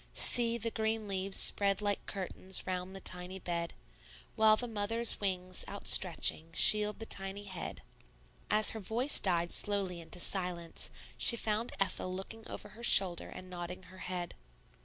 See, the green leaves spread like curtains Round the tiny bed, While the mother's wings, outstretching, Shield the tiny head?" As her voice died slowly into silence, she found Ethel looking over her shoulder and nodding her head.